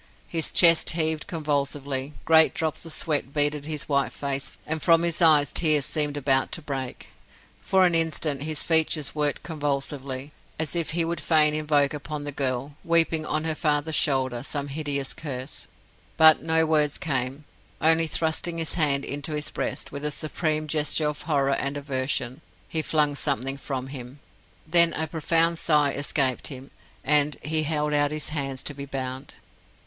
His chest heaved convulsively, great drops of sweat beaded his white face, and from his eyes tears seemed about to break. For an instant his features worked convulsively, as if he would fain invoke upon the girl, weeping on her father's shoulder, some hideous curse. But no words came only thrusting his hand into his breast, with a supreme gesture of horror and aversion, he flung something from him. Then a profound sigh escaped him, and he held out his hands to be bound.